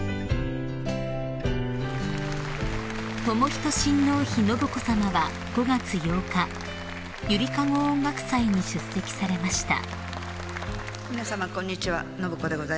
［仁親王妃信子さまは５月８日ゆりかご音楽祭に出席されました］